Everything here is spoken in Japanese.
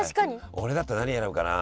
俺だったら何選ぶかな。